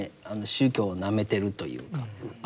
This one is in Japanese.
宗教をなめてるというか甘く見てる。